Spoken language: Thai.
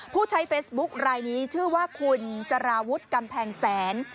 ผู้ใช้เฟซบุ๊คลายนี้ชื่อว่าคุณสารวุฒิกำแพงแสน